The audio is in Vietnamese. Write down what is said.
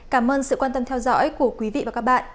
cảm ơn sự quan tâm theo dõi của quý vị và các bạn